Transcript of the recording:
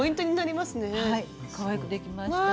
かわいくできました。